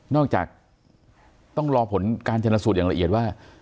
นอกจากต้องรอผลการจรสุดอย่างละเอียดว่า